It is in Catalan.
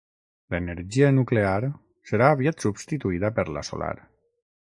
L'energia nuclear serà aviat substituïda per la solar.